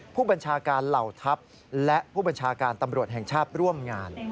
ผู้บัญชาการเหล่าทัพและผู้บัญชาการตำรวจแห่งชาติร่วมงาน